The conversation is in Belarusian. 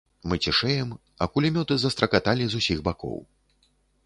Мы цішэем, а кулямёты застракаталі з усіх бакоў.